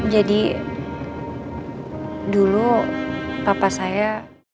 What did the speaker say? jadi dulu papa saya